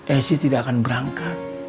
esy tidak akan berangkat